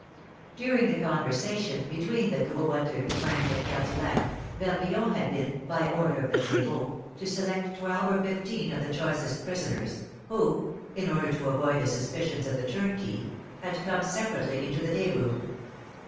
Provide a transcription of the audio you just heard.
During the conversation between the Gros Boiteux, Frank, and Cardillac, Barbillon had been, by order of the prévôt, to select twelve or fifteen of the choicest prisoners, who (in order to avoid the suspicions of the turnkey) had come separately into the day room.